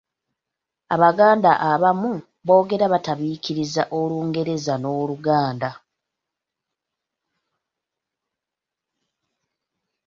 Abaganda abamu boogera batabiikiriza Olungereza n'Oluganda.